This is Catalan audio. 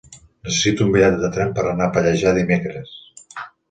Necessito un bitllet de tren per anar a Pallejà dimecres.